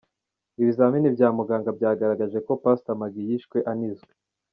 Ibizamini bya muganga byagaragaje ko Pastor Maggie yishwe anizwe.